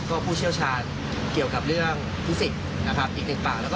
ก็ผู้เชี่ยวชาญเกี่ยวกับเรื่องฟิสิกฯอีก๑ปาก